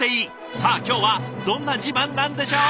さあ今日はどんな自慢なんでしょう？